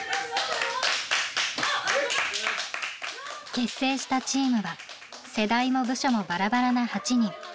結成したチームは世代も部署もバラバラな８人。